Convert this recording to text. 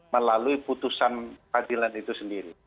melalui putusan peradilan itu sendiri